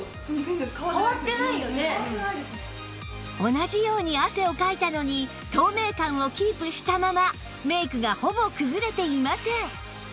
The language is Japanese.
同じように汗をかいたのに透明感をキープしたままメイクがほぼ崩れていません